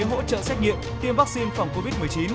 hỗ trợ xét nghiệm tiêm vaccine phòng covid một mươi chín